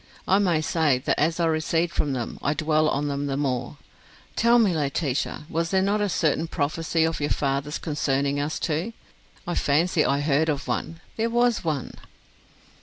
I may say, that as I recede from them, I dwell on them the more. Tell me, Laetitia, was there not a certain prophecy of your father's concerning us two? I fancy I heard of one. There was one."